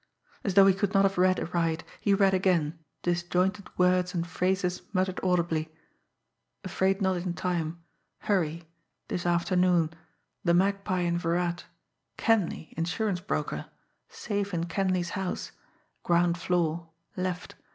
As though he could not have read aright, he read again; disjointed words and phrases muttered audibly: "... Afraid not in time ... hurry ... this afternoon ... the Magpie and Virat ... Kenleigh, insurance broker ... safe in Kenleigh's house ... ground floor left